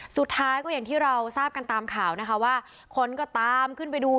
สุดท้ายก็อย่างที่เราทราบกันตามข่าวนะคะว่าคนก็ตามขึ้นไปดู